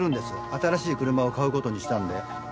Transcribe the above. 新しい車を買う事にしたんで。